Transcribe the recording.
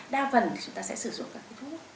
đa phần chúng ta sẽ sử dụng các thuốc